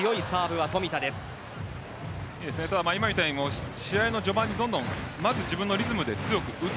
今みたいに試合の序盤に自分のリズムで強く打つ。